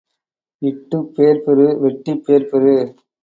இட்டுப் பேர் பெறு வெட்டிப் பேர் பெறு.